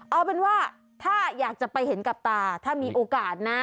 เอาเป็นว่าถ้าอยากจะไปเห็นกับตาถ้ามีโอกาสนะ